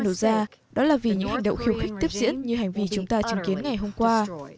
nổ ra đó là vì những hành động khiêu khích tiếp diễn như hành vi chúng ta chứng kiến ngày hôm qua